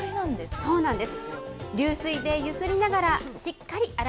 そうなんです。